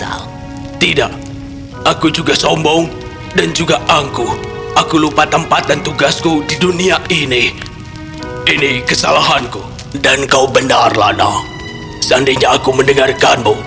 aku sangat menyesal